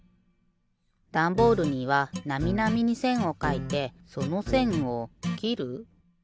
ダンボールにはなみなみにせんをかいてそのせんをきる。